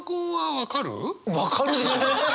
分かるでしょ！